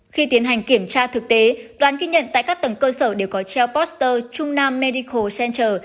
khi tiến hành kiểm tra thực tế đoàn ghi nhận tại các tầng cơ sở đều có treo poster trung nam medical center